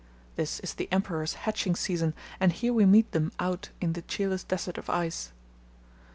This is the emperor's hatching season, and here we meet them out in the cheerless desert of ice....